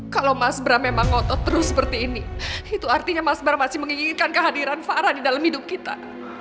kalau mas bram memang ngotot terus seperti ini itu artinya mas bara masih menginginkan kehadiran farah di dalam hidup kita